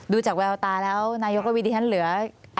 ดูจากวัยลัดตาแล้วนายกวิทย์นั้นเหลือ